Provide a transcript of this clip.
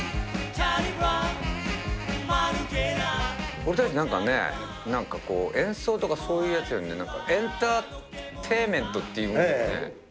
俺たちなんかね、なんかこう、演奏とかそういうやつより、エンターテインメントっていうね。